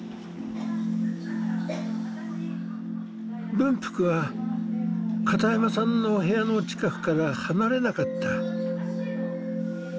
文福は片山さんの部屋の近くから離れなかった。